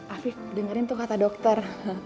afif dengerin tuh kata dokter